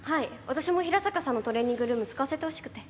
私も平坂さんのトレーニングルーム使わせてほしくて。